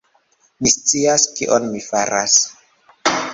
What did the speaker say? Mi scias, kion mi faras.